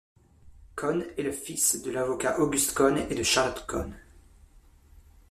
Cohn est le fils de l'avocat August Cohn et de Charlotte Cohn.